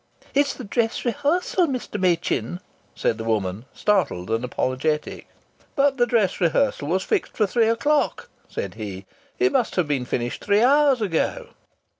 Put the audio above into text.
"It's the dress rehearsal, Mr. Machin," said the woman, startled and apologetic. "But the dress rehearsal was fixed for three o'clock," said he. "It must have been finished three hours ago."